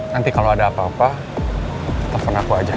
nanti kalau ada apa apa telpon aku aja